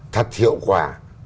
thật hiệu quả